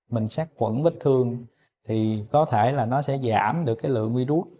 mình sát quẩn vết thương thì có thể là nó sẽ giảm được cái lượng virus